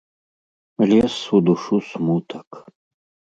Лез у душу смутак.